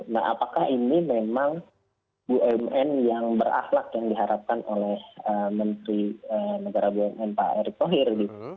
nah apakah ini memang bumn yang berahlak yang diharapkan oleh menteri negara bumn pak erick thohir